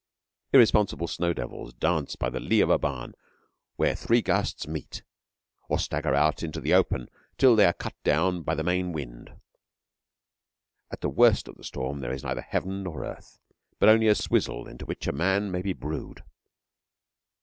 Irresponsible snow devils dance by the lee of a barn where three gusts meet, or stagger out into the open till they are cut down by the main wind. At the worst of the storm there is neither Heaven nor Earth, but only a swizzle into which a man may be brewed.